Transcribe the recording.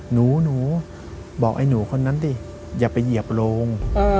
หนูบอกไอ้หนูคนนั้นดิอย่าไปเหยียบโรง